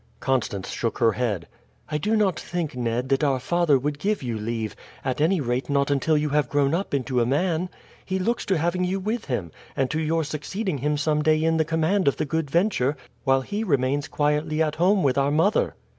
Constance shook her head. "I do not think, Ned, that our father would give you leave, at any rate not until you have grown up into a man. He looks to having you with him, and to your succeeding him some day in the command of the Good Venture, while he remains quietly at home with our mother."